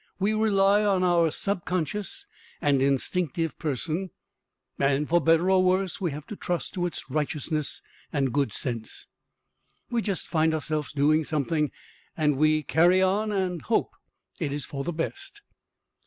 We rely on our subconscious and instinctive person, and for better or worse we have to trust to its righteousness and good sense. We just find ourself doing something and we carry on and hope it is for the best.